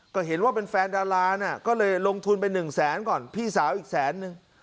ก็เห็นว่าเป็นแฟนดาราน่ะก็เลยลงทุนไปหนึ่งแสนก่อนพี่สาวอีกแสนนึง